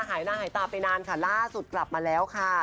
หายหน้าหายตาไปนานค่ะล่าสุดกลับมาแล้วค่ะ